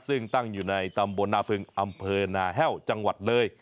ซึ่งตั้งอยู่ในตำบลนาฟึงอำเภอนาแห้วจังหวัดเลย